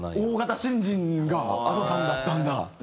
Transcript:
大型新人がＡｄｏさんだったんだ。